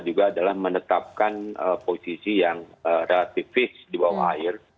juga adalah menetapkan posisi yang relatif fish di bawah air